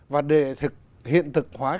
và để hiện thực hóa